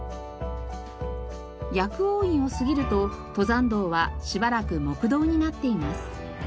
薬王院を過ぎると登山道はしばらく木道になっています。